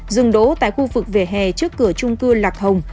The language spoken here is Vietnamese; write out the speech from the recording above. dừng đỗ tại khu vực vỉa hè trước cửa trung cư lạc hồng